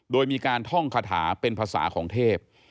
โดยมีการท่องคาถาเป็นภาษาของเทพ